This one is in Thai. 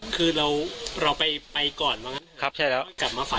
คือเราไปก่อนว่างั้นครับ